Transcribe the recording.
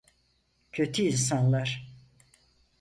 Kötü insanlar.